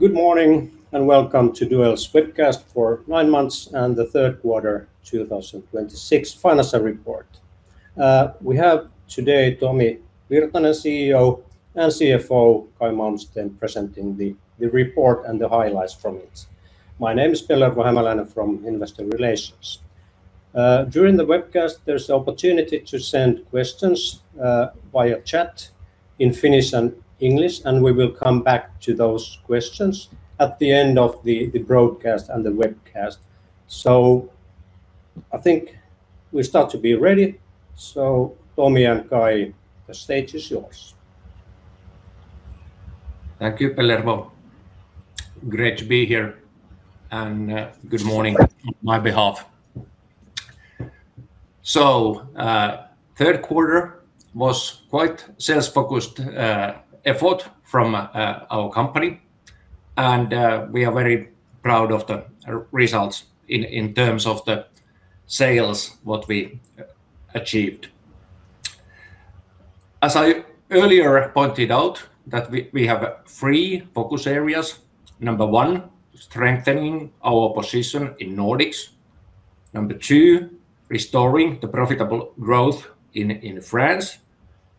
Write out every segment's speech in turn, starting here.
Good morning, and welcome to Duell's webcast for nine months and the third quarter 2026 financial report. We have today Tomi Virtanen, CEO, and CFO Caj Malmsten presenting the report and the highlights from it. My name is Pellervo Hämäläinen from Investor Relations. During the webcast, there's the opportunity to send questions via chat in Finnish and English, and we will come back to those questions at the end of the broadcast and the webcast. I think we start to be ready. Tomi and Caj, the stage is yours. Thank you, Pellervo. Great to be here and good morning on my behalf. Third quarter was quite sales-focused effort from our company, and we are very proud of the results in terms of the sales, what we achieved. As I earlier pointed out that we have three focus areas. Number one, strengthening our position in Nordics. Number two, restoring the profitable growth in France.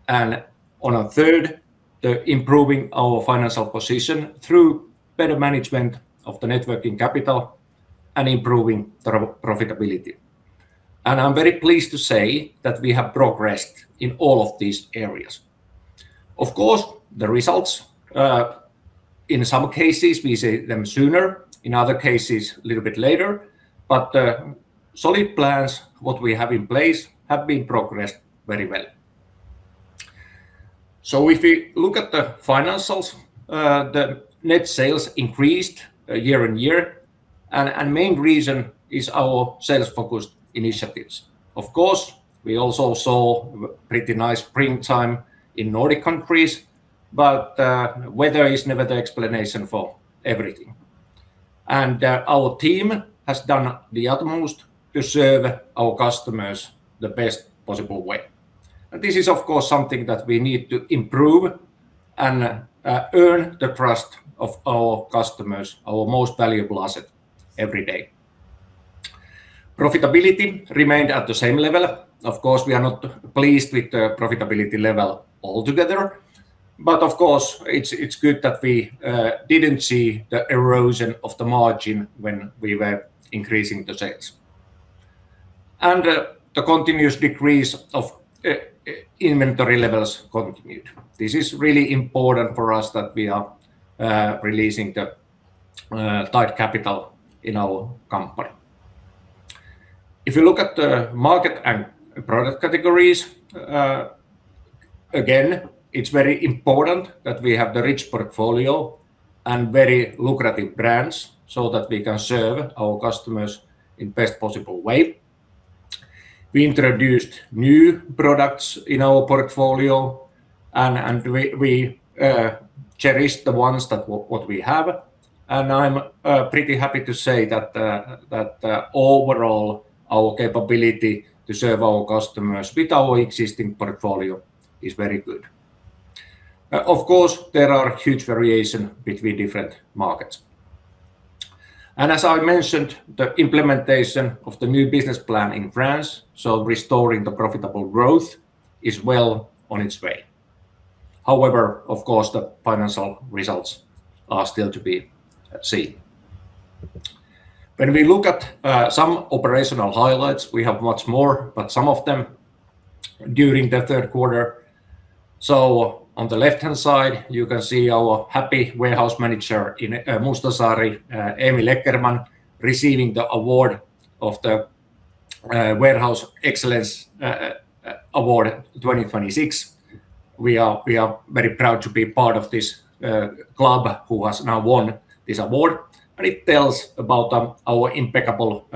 On a third, the improving our financial position through better management of the net working capital and improving the profitability. I'm very pleased to say that we have progressed in all of these areas. Of course, the results, in some cases, we see them sooner, in other cases, a little bit later. The solid plans, what we have in place, have been progressed very well. If we look at the financials, the net sales increased year-on-year and main reason is our sales-focused initiatives. Of course, we also saw pretty nice springtime in Nordic countries, but weather is never the explanation for everything. Our team has done the utmost to serve our customers the best possible way. This is, of course, something that we need to improve and earn the trust of our customers, our most valuable asset, every day. Profitability remained at the same level. Of course, we are not pleased with the profitability level altogether, but of course, it's good that we didn't see the erosion of the margin when we were increasing the sales. The continuous decrease of inventory levels continued. This is really important for us that we are releasing the tight capital in our company. If you look at the market and product categories, again, it's very important that we have the rich portfolio and very lucrative brands so that we can serve our customers in best possible way. We introduced new products in our portfolio, and we cherished the ones that what we have. I'm pretty happy to say that overall, our capability to serve our customers with our existing portfolio is very good. Of course, there are huge variation between different markets. As I mentioned, the implementation of the new business plan in France, so restoring the profitable growth is well on its way. However, of course, the financial results are still to be seen. When we look at some operational highlights, we have much more, but some of them during the third quarter. On the left-hand side, you can see our happy Warehouse Manager in Mustasaari, Eemi Lekker, receiving the award of the Warehouse Excellence Award 2026. We are very proud to be part of this club who has now won this award, and it tells about our impeccable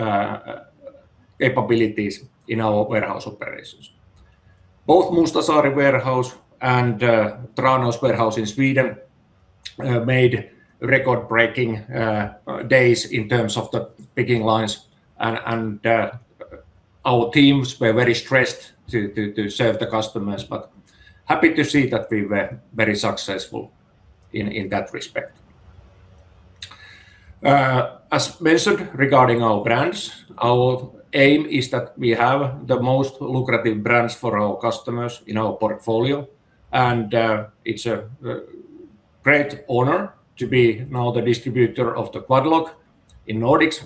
capabilities in our warehouse operations. Both Mustasaari warehouse and Tranås warehouse in Sweden made record-breaking days in terms of the picking lines and our teams were very stressed to serve the customers, but happy to see that we were very successful in that respect. As mentioned regarding our brands, our aim is that we have the most lucrative brands for our customers in our portfolio, and it's a great honor to be now the distributor of the Quad Lock in Nordics.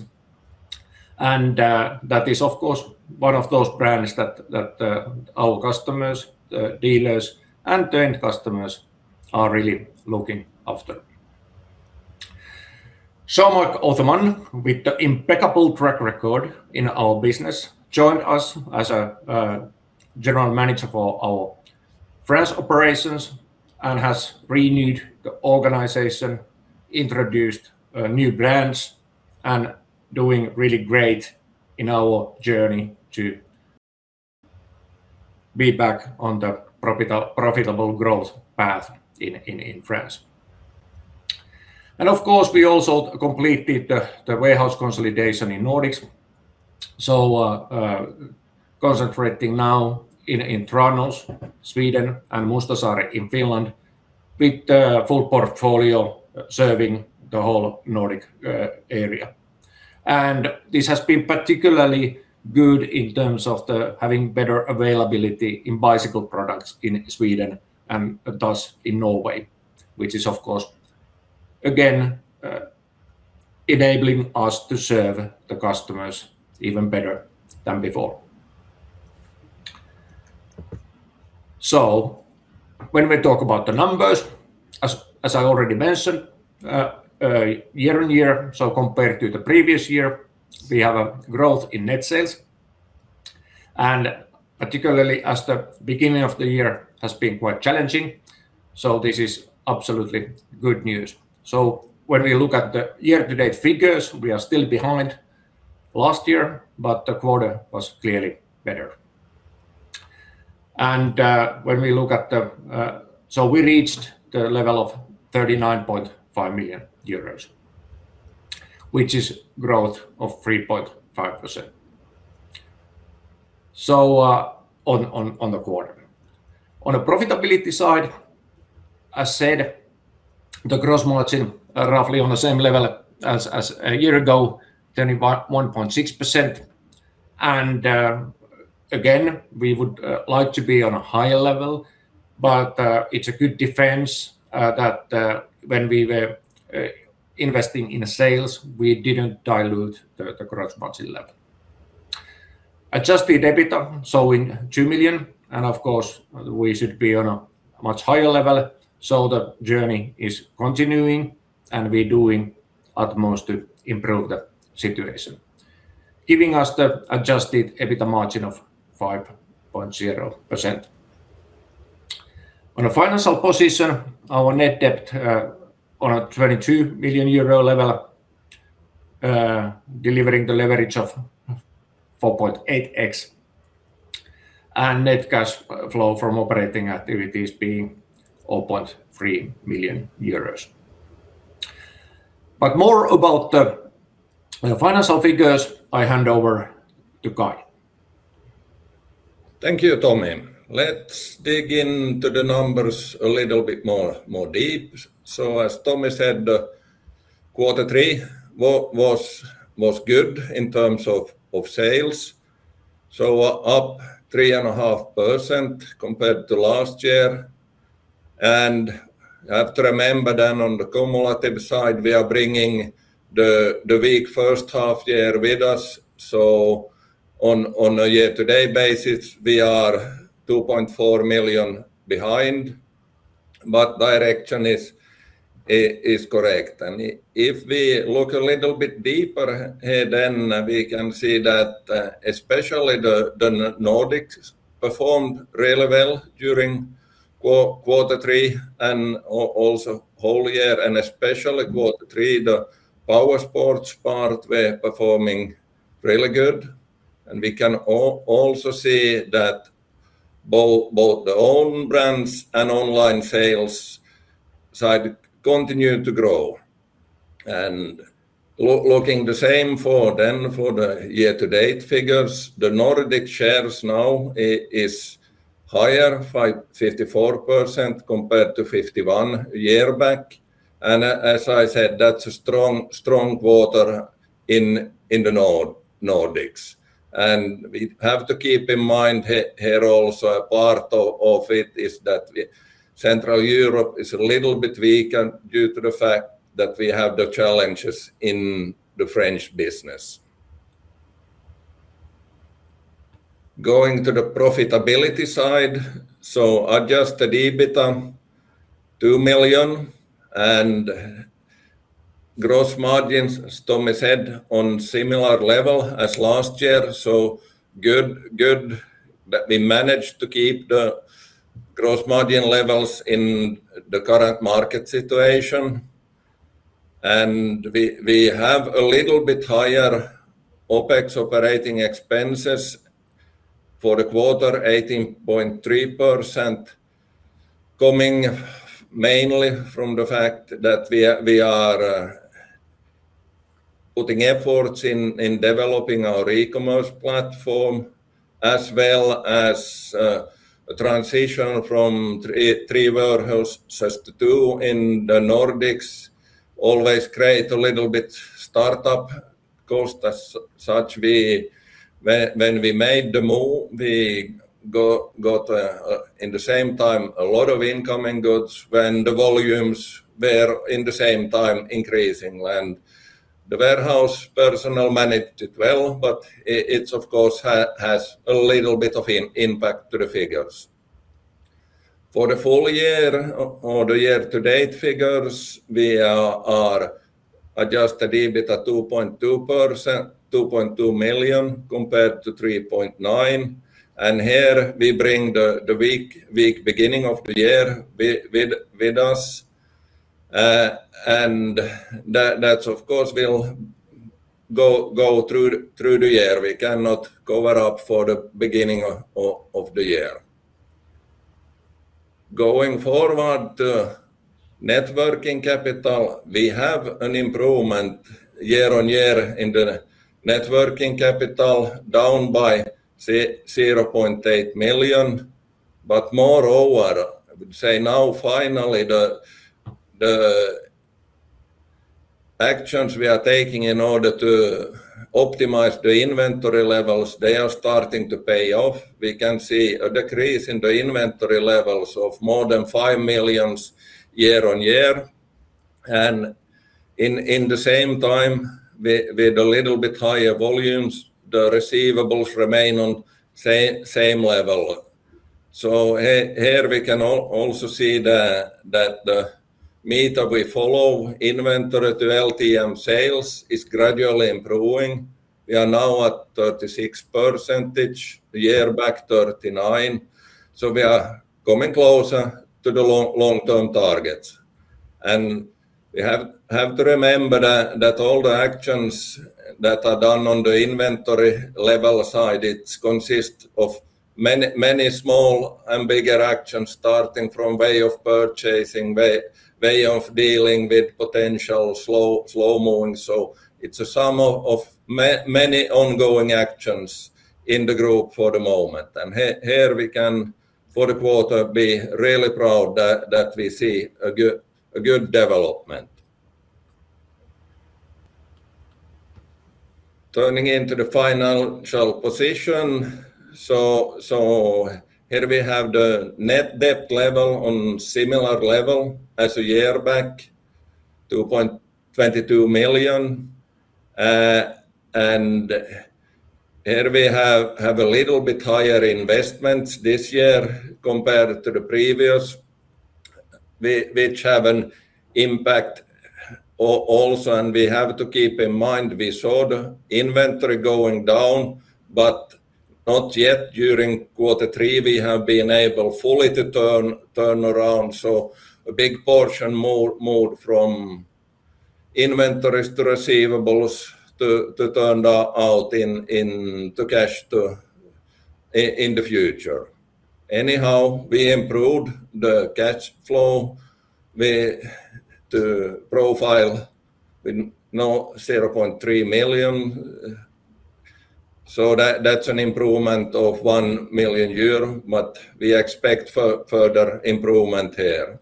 That is, of course, one of those brands that our customers, dealers, and the end customers are really looking after. Jean-Marc Autheman, with the impeccable track record in our business, joined us as a general manager for our France operations and has renewed the organization, introduced new brands, and doing really great in our journey to be back on the profitable growth path in France. Of course, we also completed the warehouse consolidation in Nordics. Concentrating now in Tranås, Sweden, and Mustasaari in Finland with the full portfolio serving the whole Nordic area. This has been particularly good in terms of having better availability in bicycle products in Sweden and thus in Norway, which is, of course, again, enabling us to serve the customers even better than before. So, when we talk about the numbers, as I already mentioned, year-on-year, compared to the previous year, we have a growth in net sales and particularly as the beginning of the year has been quite challenging, this is absolutely good news. When we look at the year-to-date figures, we are still behind last year, but the quarter was clearly better. We reached the level of 39.5 million euros, which is growth of 3.5% on the quarter. On the profitability side, as said, the gross margin are roughly on the same level as a year ago, 21.6%. Again, we would like to be on a higher level, but it's a good defense, that when we were investing in sales, we didn't dilute the gross margin level. Adjusted EBITA showing 2 million. Of course, we should be on a much higher level. The journey is continuing, and we're doing utmost to improve the situation, giving us the adjusted EBITA margin of 5.0%. On a financial position, our net debt on a 22 million euro level, delivering the leverage of 4.8x and net cash flow from operating activities being 0.3 million euros. More about the financial figures, I hand over to Caj. Thank you, Tomi. Let's dig into the numbers a little bit more deep. As Tomi said, quarter three was good in terms of sales, up 3.5% compared to last year. You have to remember on the cumulative side, we are bringing the weak first half year with us. On a year-to-date basis, we are 2.4 million behind, but direction is correct. If we look a little bit deeper here, we can see that especially the Nordics performed really well during quarter three and also whole year. Especially quarter three, the Powersports part were performing really good. We can also see that both the own brands and online sales side continued to grow. Looking the same for the year-to-date figures, the Nordic shares now is higher, 54% compared to 51% a year back. As I said, that's a strong quarter in the Nordics. We have to keep in mind here also a part of it is that Central Europe is a little bit weakened due to the fact that we have the challenges in the French business. Going to the profitability side. Adjusted EBITA, EUR 2 million and gross margins, as Tomi said, on similar level as last year. Good that we managed to keep the gross margin levels in the current market situation. We have a little bit higher OpEx operating expenses for the quarter, 18.3%, coming mainly from the fact that we are putting efforts in developing our e-commerce platform as well as a transition from three warehouses to two in the Nordics. Always create a little bit startup cost as such. When we made the move, we got in the same time a lot of incoming goods when the volumes were in the same time increasing and the warehouse personnel managed it well. It of course has a little bit of impact to the figures. For the full year or the year-to-date figures, we are adjusted EBITA 2.2 million compared to 3.9 million. Here we bring the weak beginning of the year with us. That of course will go through the year. We cannot cover up for the beginning of the year. Going forward, networking capital, we have an improvement year-on-year in the networking capital down by 0.8 million. Moreover, I would say now finally the actions we are taking in order to optimize the inventory levels, they are starting to pay off. We can see a decrease in the inventory levels of more than 5 million year-on-year. In the same time, with a little bit higher volumes, the receivables remain on same level. Here we can also see that the meter we follow inventory to LTM sales is gradually improving. We are now at 36%, year back 39%, we are coming closer to the long-term targets. We have to remember that all the actions that are done on the inventory level side, it consists of many small and bigger actions, starting from way of purchasing, way of dealing with potential slow-moving. It's a sum of many ongoing actions in the group for the moment. Here we can, for the quarter, be really proud that we see a good development. Turning into the financial position. Here we have the net debt level on similar level as a year back, 2.22 million. Here we have a little bit higher investments this year compared to the previous, which have an impact also. We have to keep in mind, we saw the inventory going down, but not yet during quarter three, we have been able fully to turn around. A big portion moved from inventories to receivables to turn out into cash in the future. Anyhow, we improved the cash flow. The profile with now 0.3 million, that's an improvement of 1 million euro. We expect further improvement here.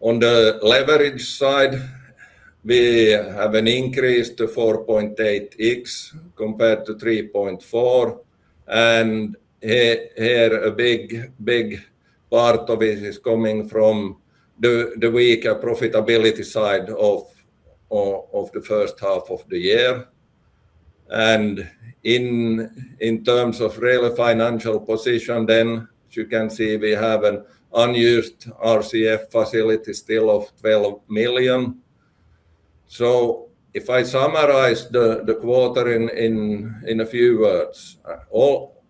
On the leverage side, we have an increase to 4.8x compared to 3.4x, here a big part of it is coming from the weaker profitability side of the first half of the year. In terms of real financial position then, as you can see, we have an unused RCF facility still of 12 million. If I summarize the quarter in a few words.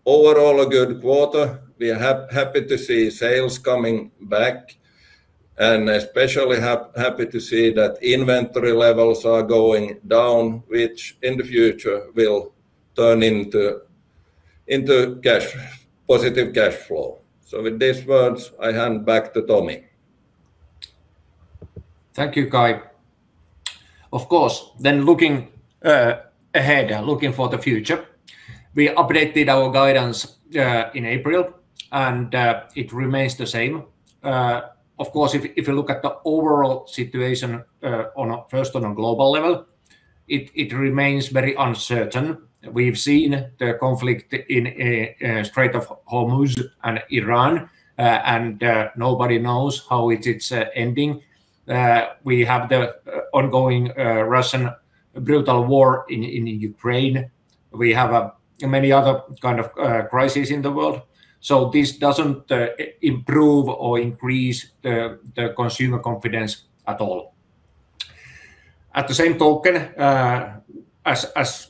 Overall, a good quarter. We are happy to see sales coming back and especially happy to see that inventory levels are going down, which in the future will turn into positive cash flow. With these words, I hand back to Tomi. Thank you, Caj. Looking ahead, looking for the future, we updated our guidance in April, it remains the same. If you look at the overall situation first on a global level, it remains very uncertain. We've seen the conflict in Strait of Hormuz and Iran, nobody knows how it is ending. We have the ongoing Russian brutal war in Ukraine. We have many other kind of crises in the world. This doesn't improve or increase the consumer confidence at all. At the same token, as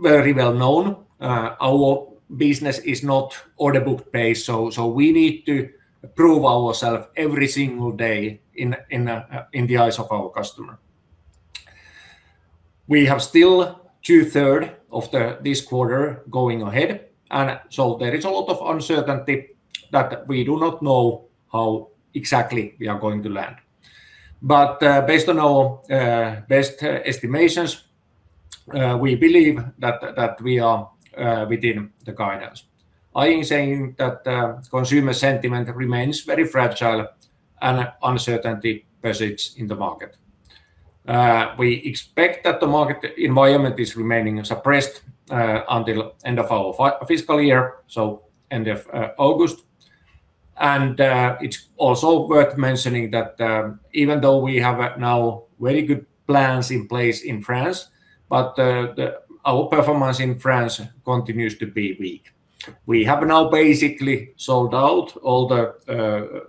very well known, our business is not order book based, we need to prove ourself every single day in the eyes of our customer. We have still two-thirds of this quarter going ahead, there is a lot of uncertainty that we do not know how exactly we are going to land. Based on our best estimations, we believe that we are within the guidance, i.e., saying that consumer sentiment remains very fragile and uncertainty persists in the market. We expect that the market environment is remaining suppressed until end of our fiscal year, so end of August. It's also worth mentioning that even though we have now very good plans in place in France, our performance in France continues to be weak. We have now basically sold out all the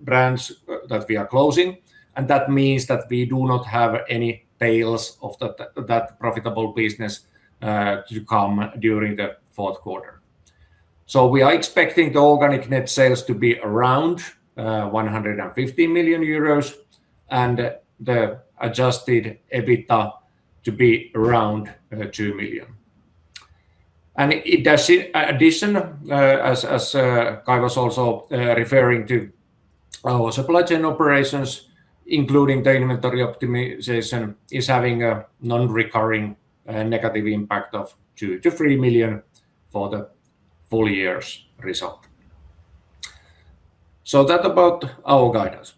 brands that we are closing, that means that we do not have any tails of that profitable business to come during the fourth quarter. We are expecting the organic net sales to be around 150 million euros and the adjusted EBITA to be around 2 million. In addition, as Caj was also referring to, our supply chain operations, including the inventory optimization, is having a non-recurring negative impact of 2 million-3 million for the full year's result. That's about our guidance.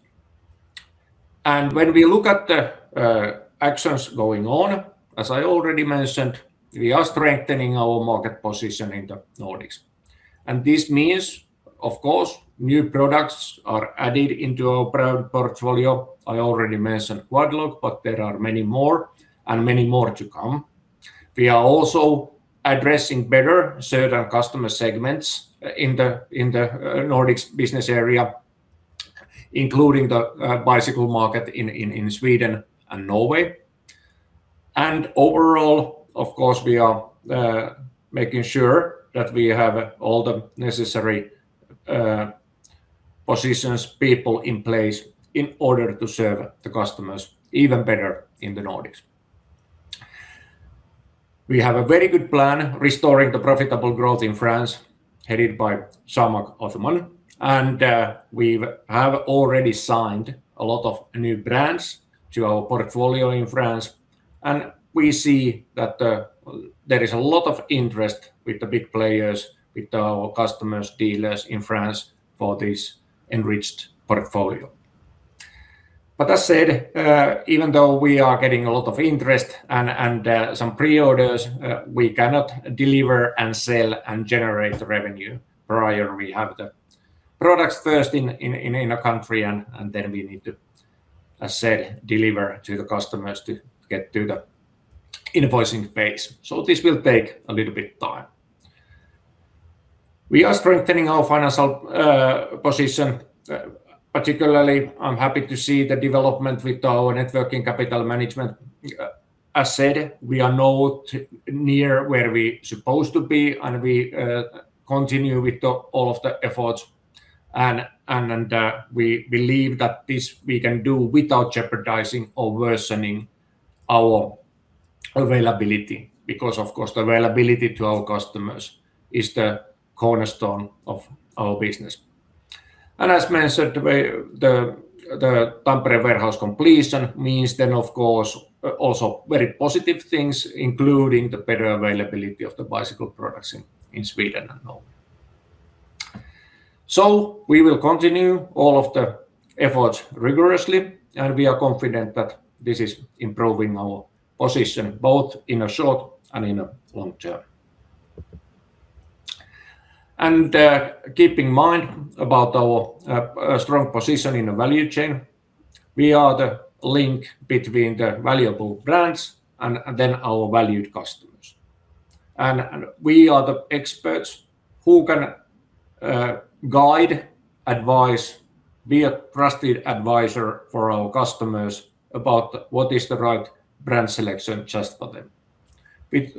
When we look at the actions going on, as I already mentioned, we are strengthening our market position in the Nordics. This means, of course, new products are added into our product portfolio. I already mentioned Quad Lock, but there are many more, and many more to come. We are also addressing better certain customer segments in the Nordics business area, including the bicycle market in Sweden and Norway. Overall, of course, we are making sure that we have all the necessary positions, people in place in order to serve the customers even better in the Nordics. We have a very good plan restoring the profitable growth in France, headed by Jean-Marc Autheman. We have already signed a lot of new brands to our portfolio in France. We see that there is a lot of interest with the big players, with our customers, dealers in France for this enriched portfolio. That said, even though we are getting a lot of interest and some pre-orders, we cannot deliver and sell and generate revenue prior we have the products first in a country and then we need to, as said, deliver to the customers to get to the invoicing phase. This will take a little bit time. We are strengthening our financial position. Particularly, I'm happy to see the development with our networking capital management. As said, we are not near where we're supposed to be and we continue with all of the efforts. We believe that this we can do without jeopardizing or worsening our availability because of course, the availability to our customers is the cornerstone of our business. As mentioned, the Tampere warehouse completion means then, of course, also very positive things, including the better availability of the bicycle products in Sweden and Norway. We will continue all of the efforts rigorously, and we are confident that this is improving our position both in a short and in a long term. Keep in mind about our strong position in the value chain. We are the link between the valuable brands and then our valued customers. We are the experts who can guide, advise, be a trusted advisor for our customers about what is the right brand selection just for them. With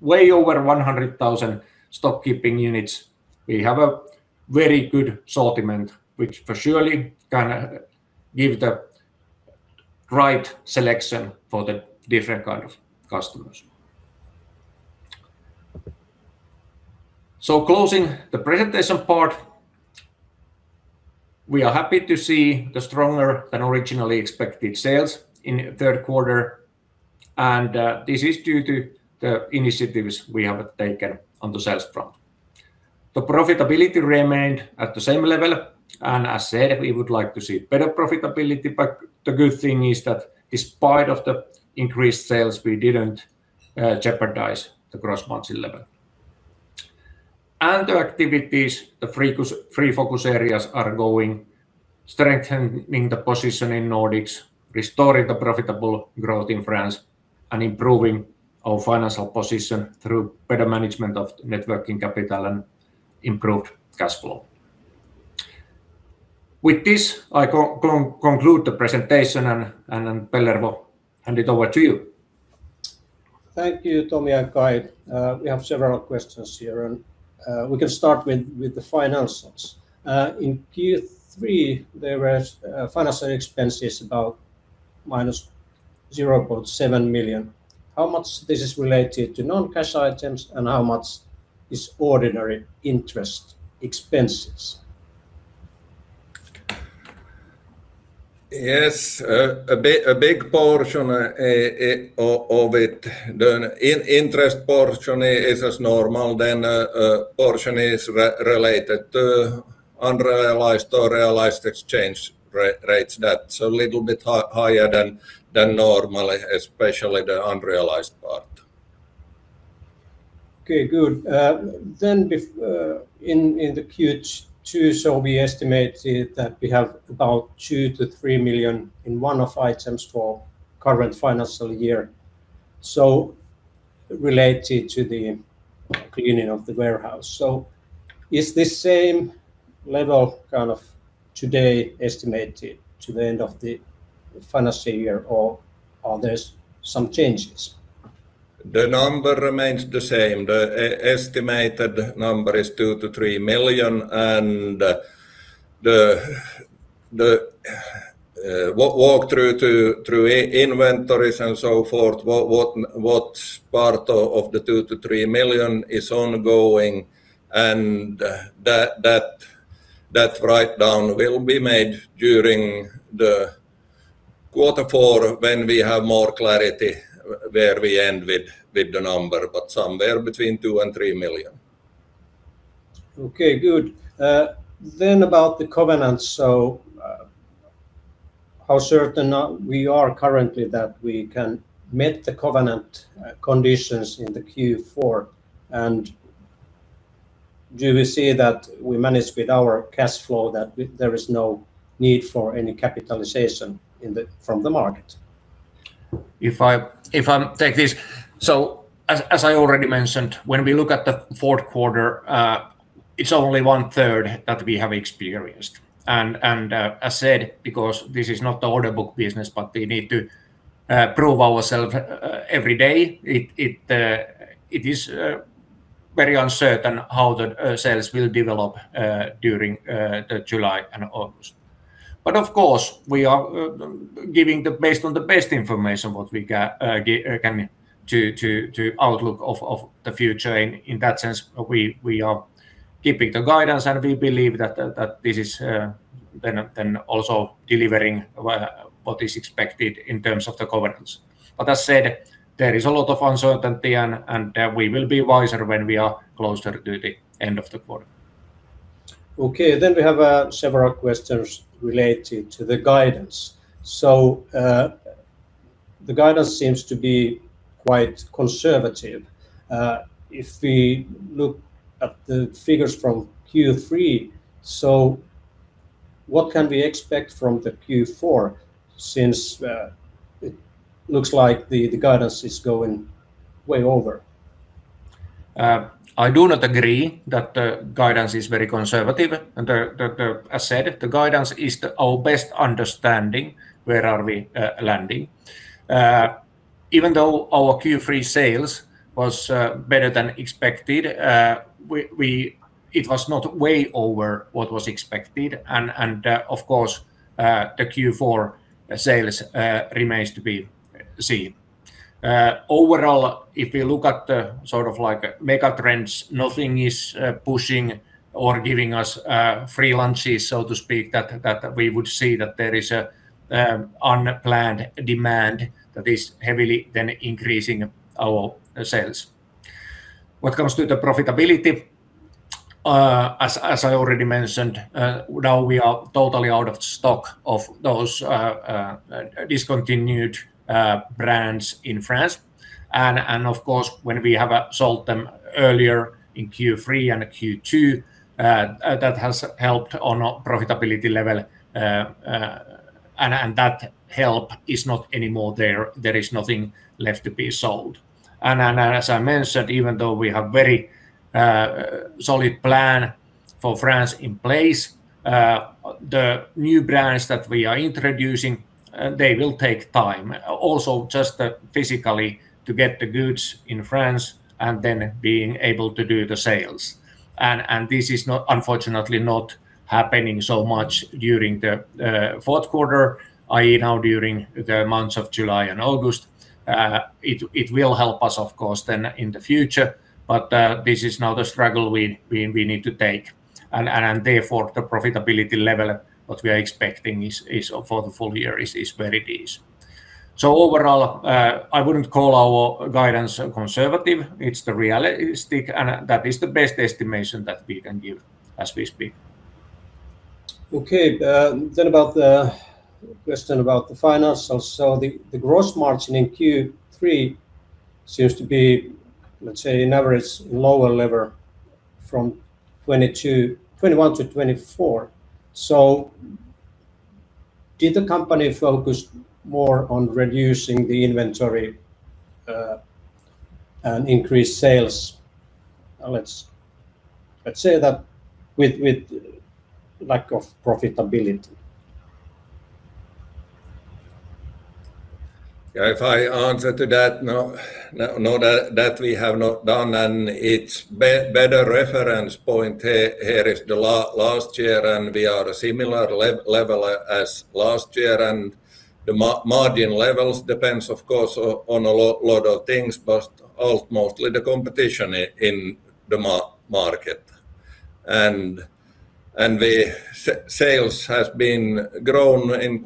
way over 100,000 stock keeping units, we have a very good assortment, which for surely can give the right selection for the different kind of customers. Closing the presentation part, we are happy to see the stronger than originally expected sales in third quarter. This is due to the initiatives we have taken on the sales front. The profitability remained at the same level. As said, we would like to see better profitability, but the good thing is that despite of the increased sales, we didn't jeopardize the gross margin level. The activities, the three focus areas are going, strengthening the position in Nordics, restoring the profitable growth in France, and improving our financial position through better management of networking capital and improved cash flow. With this, I conclude the presentation, and Pellervo, hand it over to you. Thank you, Tomi and Caj. We have several questions here. We can start with the finances. In Q3, there was financial expenses about minus 0.7 million. How much this is related to non-cash items and how much is ordinary interest expenses? Yes. A big portion of it, the interest portion is as normal. A portion is related to unrealized or realized exchange rates. That's a little bit higher than normally, especially the unrealized part. Okay, good. In the Q2, we estimated that we have about 2 million-3 million in one-off items for current financial year. Related to the beginning of the warehouse. Is this same level kind of today estimated to the end of the financial year or are there some changes? The number remains the same. The estimated number is 2 million-3 million, and the walk through inventories and so forth, what part of the 2 million-3 million is ongoing, and that write-down will be made during the quarter four when we have more clarity where we end with the number, but somewhere between 2 million and 3 million. Okay, good. About the covenants. How certain we are currently that we can meet the covenant conditions in the Q4. Do we see that we manage with our cash flow that there is no need for any capitalization from the market? If I take this. As I already mentioned, when we look at the fourth quarter, it's only one third that we have experienced. As said, because this is not the order book business, but we need to prove ourself every day, it is very uncertain how the sales will develop during July and August. Of course, we are giving based on the best information what we can to outlook of the future. In that sense, we are keeping the guidance, and we believe that this is then also delivering what is expected in terms of the covenants. As said, there is a lot of uncertainty, and we will be wiser when we are closer to the end of the quarter. Okay. We have several questions related to the guidance. The guidance seems to be quite conservative if we look at the figures from Q3. What can we expect from the Q4 since it looks like the guidance is going way over? I do not agree that the guidance is very conservative. As said, the guidance is our best understanding where we are landing. Even though our Q3 sales was better than expected, it was not way over what was expected. Of course, the Q4 sales remains to be seen. Overall, if you look at the mega trends, nothing is pushing or giving us free lunches, so to speak, that we would see that there is an unplanned demand that is heavily then increasing our sales. What comes to the profitability, as I already mentioned, now we are totally out of stock of those discontinued brands in France. Of course, when we have sold them earlier in Q3 and Q2, that has helped on profitability level, and that help is not anymore there. There is nothing left to be sold. As I mentioned, even though we have very solid plan for France in place, the new brands that we are introducing, they will take time also just physically to get the goods in France and then being able to do the sales. This is unfortunately not happening so much during the fourth quarter, i.e., now during the months of July and August. It will help us, of course, then in the future, but this is now the struggle we need to take. Therefore, the profitability level that we are expecting for the full year is where it is. Overall, I wouldn't call our guidance conservative. It's the realistic, and that is the best estimation that we can give as we speak. About the question about the financials. The gross margin in Q3 seems to be, let's say, in average lower level from 21%-24%. Did the company focus more on reducing the inventory and increase sales, let's say that with lack of profitability? If I answer to that, no, that we have not done. It's better reference point here is the last year. We are similar level as last year. The margin levels depends, of course, on a lot of things, but utmostly the competition in the market. The sales has been grown in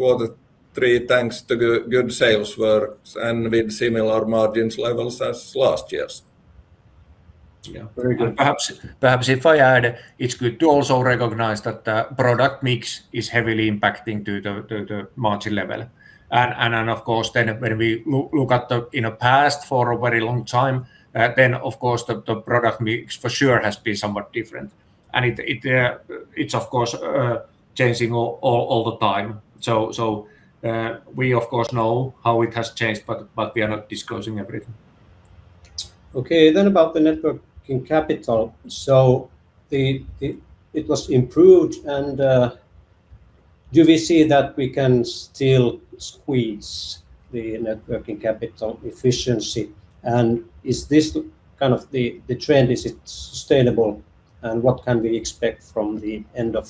quarter three, thanks to good sales works and with similar margins levels as last year's. Yeah. Very good. Perhaps if I add, it's good to also recognize that the product mix is heavily impacting to the margin level. Of course, when we look at in the past for a very long time, of course the product mix for sure has been somewhat different. It's of course changing all the time. We of course know how it has changed, but we are not disclosing everything. About the net working capital. It was improved, do we see that we can still squeeze the net working capital efficiency? Is this kind of the trend? Is it sustainable? What can we expect from the end of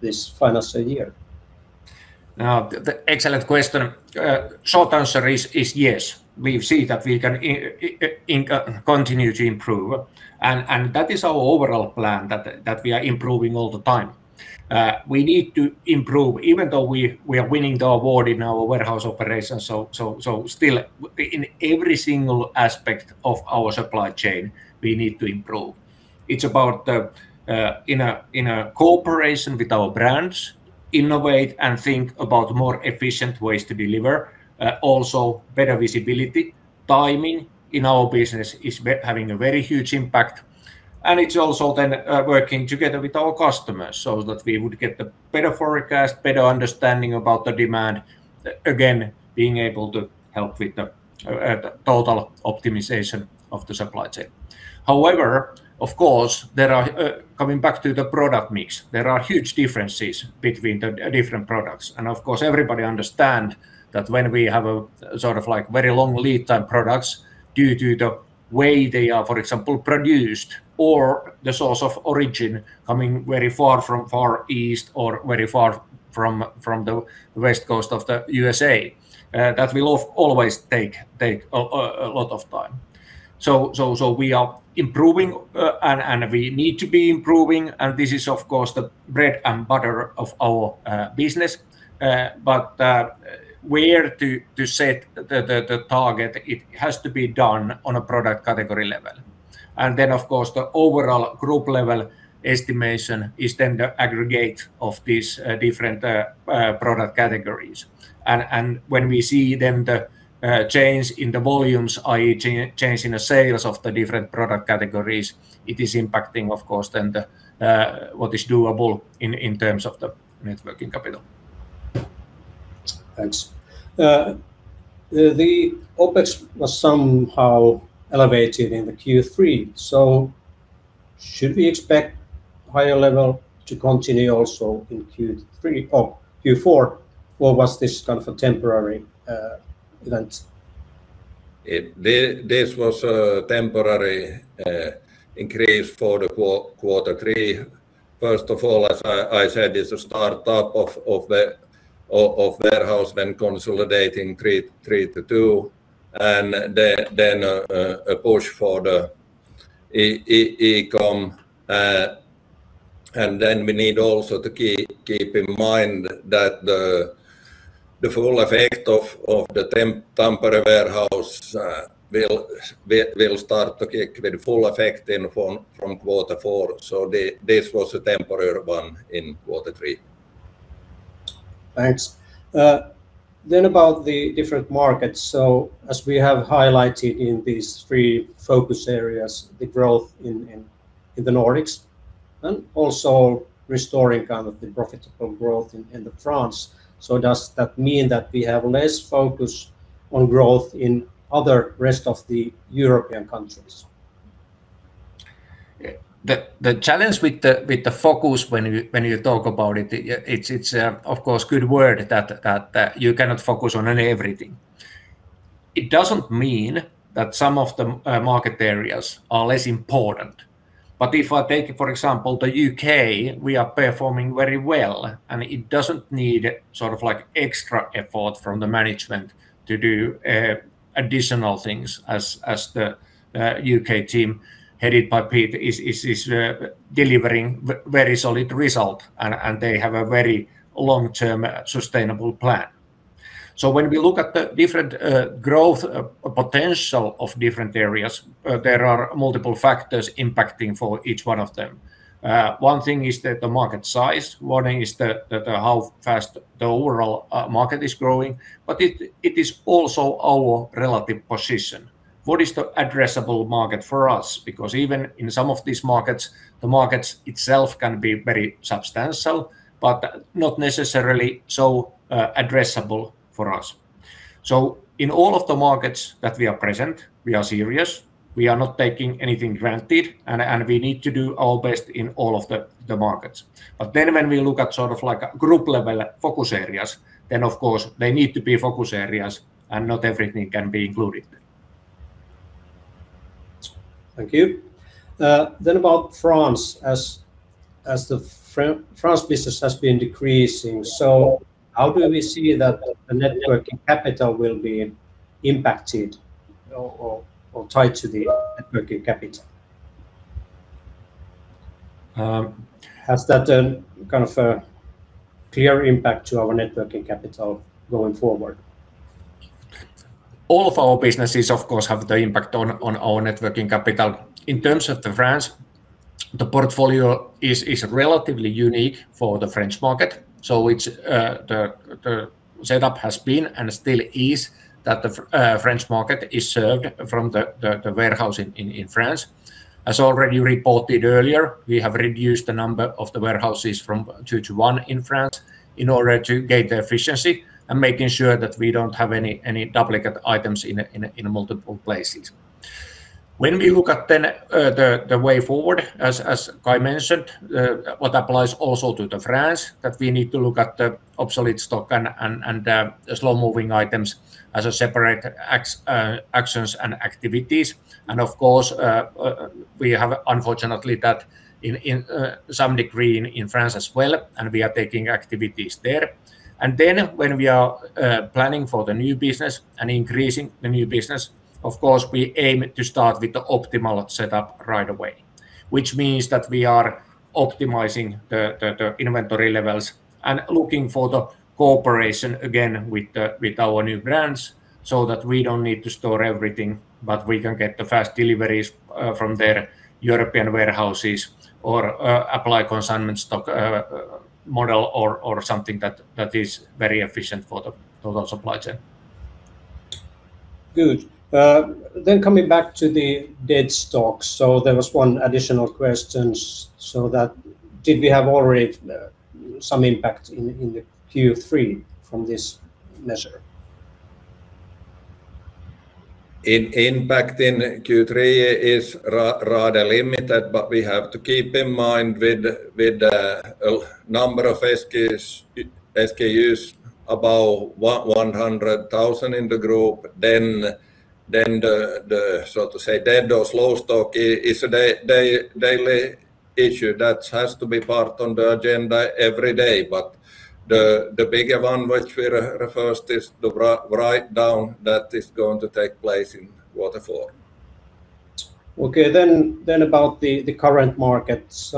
this financial year? Excellent question. Short answer is yes, we see that we can continue to improve, that is our overall plan that we are improving all the time. We need to improve even though we are winning the award in our warehouse operations. Still, in every single aspect of our supply chain, we need to improve. It's about in a cooperation with our brands, innovate and think about more efficient ways to deliver. Also better visibility. Timing in our business is having a very huge impact, it's also working together with our customers so that we would get the better forecast, better understanding about the demand. Again, being able to help with the total optimization of the supply chain. However, of course, coming back to the product mix, there are huge differences between the different products. Of course, everybody understand that when we have a very long lead time products, due to the way they are, for example, produced or the source of origin coming very far from Far East or very far from the West Coast of the U.S.A., that will always take a lot of time. We are improving, we need to be improving, this is of course the bread and butter of our business. Where to set the target it has to be done on a product category level. Of course the overall group level estimation is then the aggregate of these different product categories. When we see the change in the volumes, i.e. change in the sales of the different product categories, it is impacting of course then what is doable in terms of the net working capital. Thanks. The OpEx was somehow elevated in the Q3, should we expect higher level to continue also in Q4? Was this kind of a temporary event? This was a temporary increase for the quarter three. First of all, as I said, it's a startup of warehouse when consolidating three to two and then a push for the e-commerce. We need also to keep in mind that the full effect of the Tampere warehouse will start to kick with full effect then from quarter four. This was a temporary one in quarter three. Thanks. About the different markets. As we have highlighted in these three focus areas, the growth in the Nordics and also restoring kind of the profitable growth in France. Does that mean that we have less focus on growth in other rest of the European countries? The challenge with the focus when you talk about it's of course good word that you cannot focus on everything. It doesn't mean that some of the market areas are less important. If I take it, for example, the U.K., we are performing very well and it doesn't need sort of like extra effort from the management to do additional things as the U.K. team headed by Pete is delivering very solid result and they have a very long-term sustainable plan. When we look at the different growth potential of different areas, there are multiple factors impacting for each one of them. One thing is that the market size, one thing is that how fast the overall market is growing, it is also our relative position. What is the addressable market for us? Because even in some of these markets, the markets itself can be very substantial, but not necessarily so addressable for us. In all of the markets that we are present, we are serious. We are not taking anything granted, and we need to do our best in all of the markets. When we look at sort of like group level focus areas, then of course they need to be focus areas and not everything can be included. Thank you. About France, as the France business has been decreasing, how do we see that the net working capital will be impacted or tied to the net working capital? Has that kind of a clear impact to our net working capital going forward? All of our businesses of course have the impact on our net working capital. In terms of the France, the portfolio is relatively unique for the French market. The setup has been and still is that the French market is served from the warehouse in France. As already reported earlier, we have reduced the number of the warehouses from two to one in France in order to gain the efficiency and making sure that we don't have any duplicate items in multiple places. When we look at the way forward, as Caj mentioned, what applies also to France, that we need to look at the obsolete stock and the slow-moving items as separate actions and activities. Of course, we have unfortunately that in some degree in France as well, and we are taking activities there. When we are planning for the new business and increasing the new business, of course, we aim to start with the optimal setup right away. Which means that we are optimizing the inventory levels and looking for the cooperation again with our new brands so that we don't need to store everything, but we can get the fast deliveries from their European warehouses or apply consignment stock model or something that is very efficient for the total supply chain. Good. Coming back to the dead stock. There was one additional question. Did we have already some impact in the Q3 from this measure? Impact in Q3 is rather limited, but we have to keep in mind with a number of SKUs, about 100,000 in the group, the, so to say, dead or slow stock is a daily issue that has to be part on the agenda every day. The bigger one which we refer is the write-down that is going to take place in Q4. About the current market.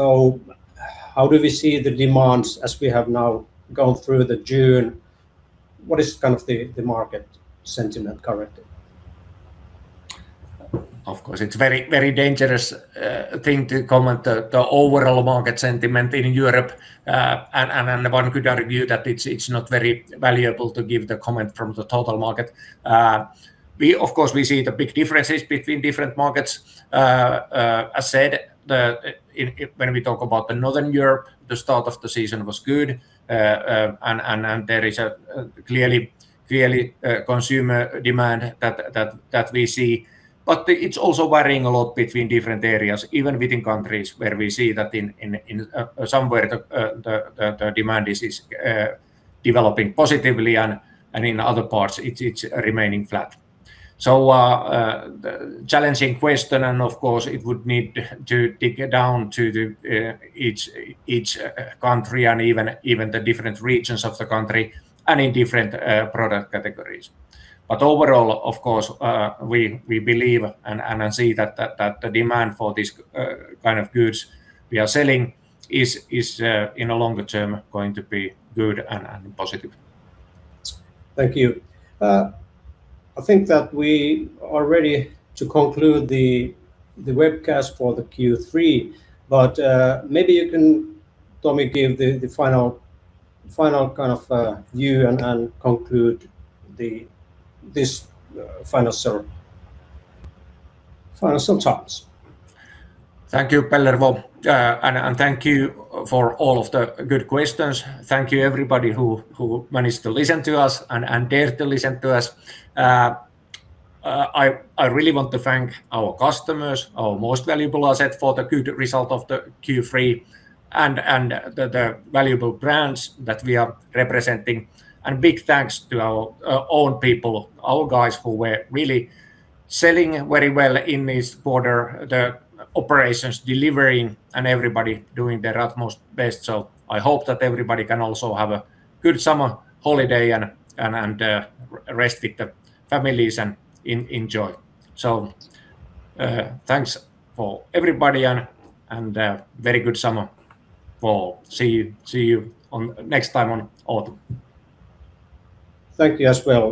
How do we see the demands as we have now gone through the June? What is kind of the market sentiment currently? It's very dangerous thing to comment the overall market sentiment in Europe, and one could argue that it's not very valuable to give the comment from the total market. We see the big differences between different markets. As said, when we talk about the Northern Europe, the start of the season was good. There is clearly consumer demand that we see, but it's also varying a lot between different areas, even within countries where we see that somewhere the demand is developing positively and in other parts, it's remaining flat. Challenging question, and it would need to dig down to each country and even the different regions of the country and in different product categories. Overall, of course, we believe and see that the demand for these kind of goods we are selling is in a longer term going to be good and positive. Thank you. I think that we are ready to conclude the webcast for the Q3, maybe you can, Tomi, give the final kind of view and conclude this final summary. Thank you, Pellervo, and thank you for all of the good questions. Thank you everybody who managed to listen to us and dared to listen to us. I really want to thank our customers, our most valuable asset for the good result of the Q3, and the valuable brands that we are representing, and big thanks to our own people, our guys who were really selling very well in this quarter, the operations, delivering, and everybody doing their utmost best. I hope that everybody can also have a good summer holiday and rest with the families and enjoy. Thanks for everybody and very good summer. See you next time on autumn. Thank you as well.